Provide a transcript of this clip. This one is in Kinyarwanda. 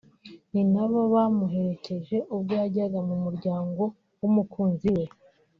ni na bo bamuherekeje ubwo yajyaga mu muryango w’umukunzi we